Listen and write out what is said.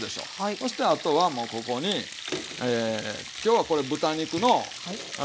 そしてあとはもうここに今日はこれ豚肉の肩ロースかな？